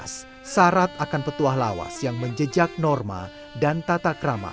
syarat akan petuah lawas yang menjejak norma dan tata krama